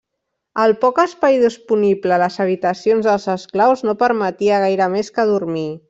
El poc espai disponible a les habitacions dels esclaus no permetia gaire més que dormir.